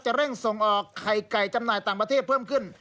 เร่งส่งออกไข่ไก่จำหน่ายต่างประเทศเพิ่มขึ้น